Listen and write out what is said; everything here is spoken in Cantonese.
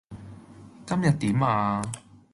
今日點呀？